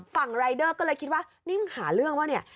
รายเดอร์ก็เลยคิดว่านี่มึงหาเรื่องป่ะเนี่ย